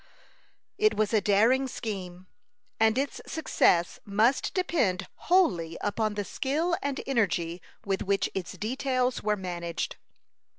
It was a daring scheme, and its success must depend wholly upon the skill and energy with which its details were managed.